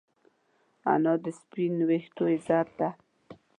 انا د سپین ویښتو عزت ده